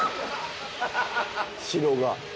城が。